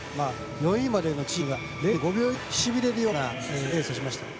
４位までのチームが０．５秒以内に収まったというしびれるようなレースをしました。